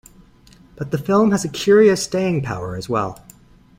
But the film has a curious staying power as well.